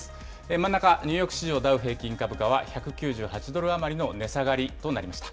真ん中、ニューヨーク市場ダウ平均株価は１９８ドル余りの値下がりとなりました。